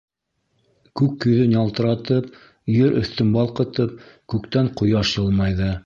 Күк йөҙөн ялтыратып, ер өҫтөн балҡытып, күктән ҡояш йылмайҙы.